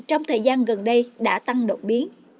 trong thời gian gần đây đã tăng độc biến